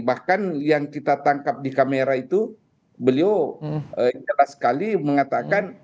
bahkan yang kita tangkap di kamera itu beliau jelas sekali mengatakan